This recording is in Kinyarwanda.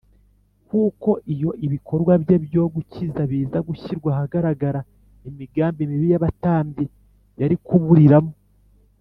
kuko iyo ibikorwa bye byo gukiza biza gushyirwa ahagaragara, imigambi mibi y’abatambyi yari kuburiramo